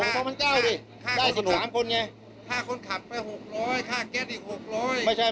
ค่าคนกลับก็๖๐๐ค่าแก๊สอีก๖๐๐